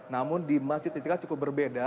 namun di masjid istiqlal cukup berbeda